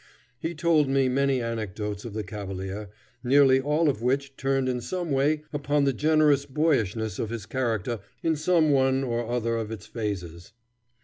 He told me many anecdotes of the cavalier, nearly all of which turned in some way upon the generous boyishness of his character in some one or other of its phases.